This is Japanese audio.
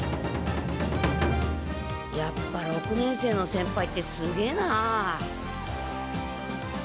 やっぱ六年生の先輩ってすげえな。